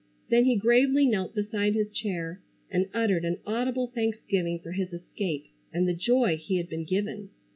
Then he gravely knelt beside his chair and uttered an audible thanksgiving for his escape and the joy he had been given.